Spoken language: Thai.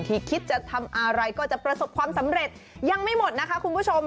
คิดจะทำอะไรก็จะประสบความสำเร็จยังไม่หมดนะคะคุณผู้ชม